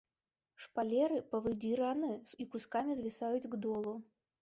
Шпалеры павыдзіраны і кускамі звісаюць к долу.